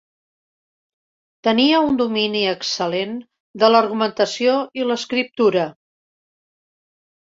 Tenia un domini excel·lent de l'argumentació i l'escriptura.